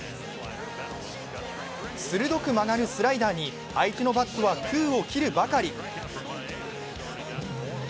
鋭く曲がるスライダーに相手のバットは空を切るばかり。